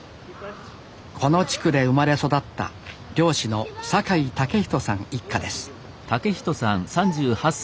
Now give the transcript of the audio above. この地区で生まれ育った漁師の坂井健人さん一家です